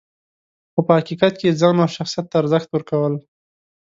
خو په حقیقت کې یې ځان او شخصیت ته ارزښت ورکول .